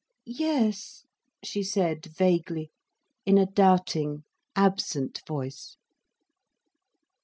"Yes," she said vaguely, in a doubting, absent voice.